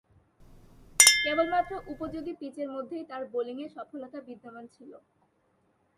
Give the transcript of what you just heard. কেবলমাত্র উপযোগী পিচের মধ্যেই তার বোলিংয়ের সফলতা বিদ্যমান ছিল।